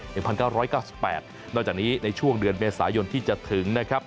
นอกจากนี้ในช่วงเดือนเมษายนที่จะถึงนะครับ